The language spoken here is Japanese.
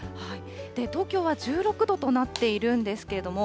東京は１６度となっているんですけども